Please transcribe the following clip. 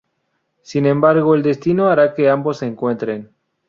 Sin embargo, el destino hará que ambos se encuentren.